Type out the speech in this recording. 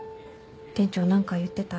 店長何か言ってた？